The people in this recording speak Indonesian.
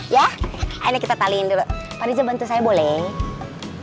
ya ayo kita taliin dulu pak riza bantu saya boleh